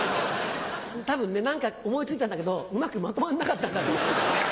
多分ね何か思い付いたんだけどうまくまとまらなかったんだと思う。